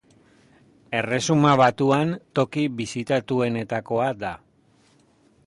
Erresuma Batuan toki bisitatuenetakoa da.